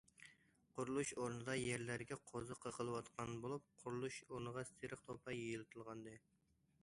قۇرۇلۇش ئورنىدا يەرلەرگە قوزۇق قېقىلىۋاتقان بولۇپ، قۇرۇلۇش ئورنىغا سېرىق توپا يېيىتىلغانىدى.